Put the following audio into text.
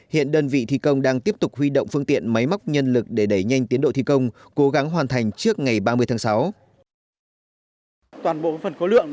hiện đơn vị thi công đang tiếp tục huy động phương tiện máy móc nhân lực để đẩy nhanh tiến độ thi công cố gắng hoàn thành trước ngày ba mươi tháng sáu